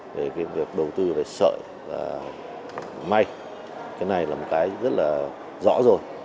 về cái việc đầu tư về sợi và may cái này là một cái rất là rõ rồi